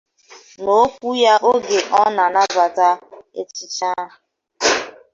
N'okwu ya oge ọ na-anabata echichi ahụ